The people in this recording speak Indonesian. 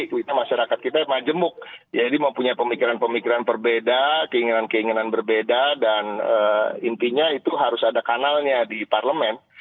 kita masyarakat kita majemuk ya jadi mempunyai pemikiran pemikiran berbeda keinginan keinginan berbeda dan intinya itu harus ada kanalnya di parlemen